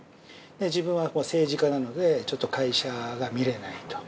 自分は政治家なのでちょっと会社が見れないと。